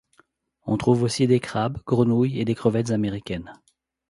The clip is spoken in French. On trouve aussi des crabes, grenouilles et des crevettes américaines.